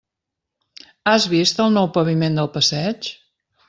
Has vist el nou paviment del passeig?